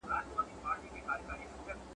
لمبو ته یې سپارلی بدخشان دی که کابل دی ..